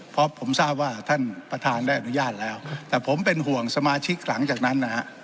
เพราะผมทราบว่าท่านประธานได้อนุญาตแล้วแต่ผมเป็นห่วงสมาชิกหลังจากนั้นนะฮะ